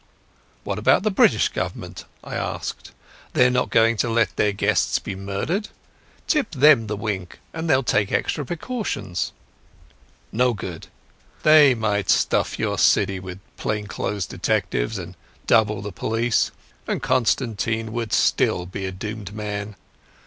"What about the British Government?" I said. "They're not going to let their guests be murdered. Tip them the wink, and they'll take extra precautions." "No good. They might stuff your city with plain clothes detectives and double the police and Constantine would still be a doomed man.